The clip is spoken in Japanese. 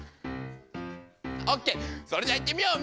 オッケーそれじゃあいってみよう！